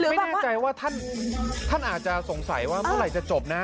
ไม่แน่ใจว่าท่านอาจจะสงสัยว่าเมื่อไหร่จะจบนะ